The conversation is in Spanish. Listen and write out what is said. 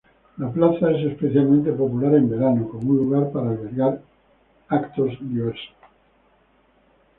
La plaza es especialmente popular en verano como un lugar para albergar eventos varios.